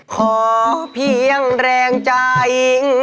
ขอเพียงแรงใจ